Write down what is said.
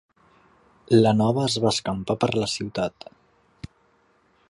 La nova es va escampar per la ciutat.